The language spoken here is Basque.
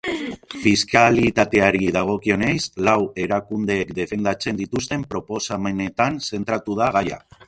Fiskalitateari dagokionez, lau erakundeek defendatzen dituzten proposamenetan zentratu da gaia.